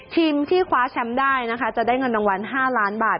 ทีมที่คว้าแชมป์ได้นะคะจะได้เงินรางวัล๕ล้านบาท